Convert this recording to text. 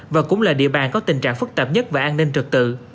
và cũng là địa bàn có tình trạng phức tạp nhất và an ninh trực tự